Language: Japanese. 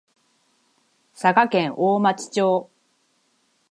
佐賀県大町町